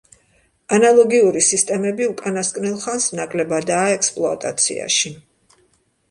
ანალოგური სისტემები უკანასკნელ ხანს ნაკლებადაა ექსპლოატაციაში.